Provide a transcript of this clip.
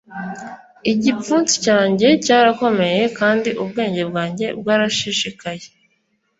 igipfunsi cyanjye cyarakomeye kandi ubwenge bwanjye bwarashishikaye